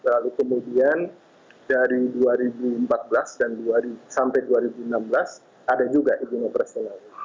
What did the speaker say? lalu kemudian dari dua ribu empat belas dan sampai dua ribu enam belas ada juga izin operasional